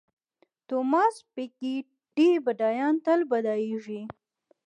توماس پیکیټي بډایان تل بډایېږي.